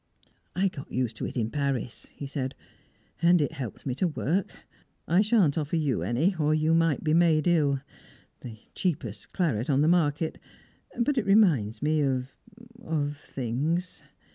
"I got used to it in Paris," he said, "and it helps me to work. I shan't offer you any, or you might be made ill; the cheapest claret on the market, but it reminds me of of things."